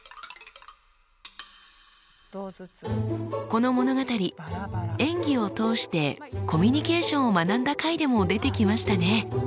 この物語演技を通してコミュニケーションを学んだ回でも出てきましたね。